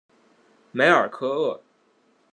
梅尔科厄。